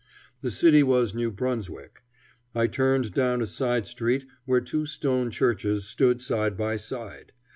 The city was New Brunswick. I turned down a side street where two stone churches stood side by side.